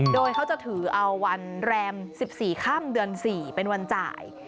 โดยเขาจะถือวันแรมสิบสี่ค่ำเดือนสี่เป็นวันจ่าย